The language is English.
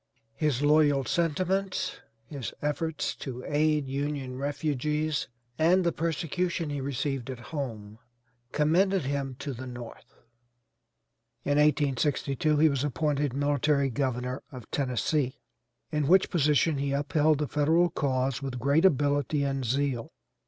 His loyal sentiments, his efforts to aid Union refugees, and the persecution he received at home commended him to the North. In 1862 he was appointed military governor of Tennessee, in which position he upheld the Federal cause with great ability and zeal.